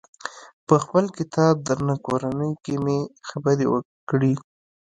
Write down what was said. په خپل کتاب درنه کورنۍ کې مې خبرې کړي.